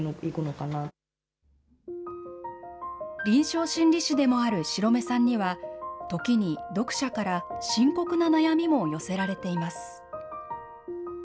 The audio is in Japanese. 臨床心理士でもある白目さんには、時に読者から深刻な悩みも寄せられています。